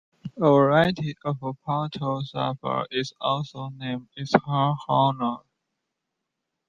A variety of Pittosporum is also named in his honour.